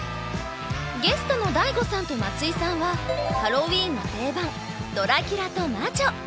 ゲストのＤＡＩＧＯさんと松井さんはハロウィーンの定番ドラキュラと魔女。